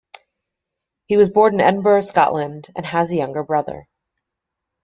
He was born in Edinburgh, Scotland, and has a younger brother.